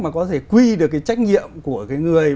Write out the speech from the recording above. mà có thể quy được cái trách nhiệm của cái người